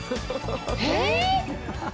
えっ！？